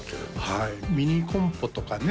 はいミニコンポとかね